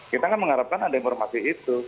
kita kan mengharapkan ada informasi itu